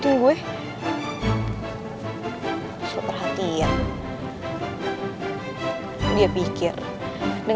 lo salah kawan kawan